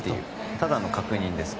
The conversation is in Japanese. ただの確認です。